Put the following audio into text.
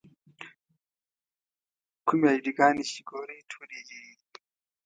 کومې اې ډي ګانې چې ګورئ ټولې یې جعلي دي.